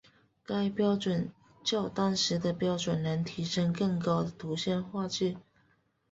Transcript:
该标准较当时的标准能提升更高的图像画质。